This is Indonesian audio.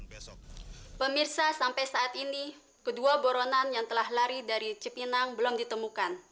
pemirsa sampai saat ini kedua boronan yang telah lari dari cipinang belum ditemukan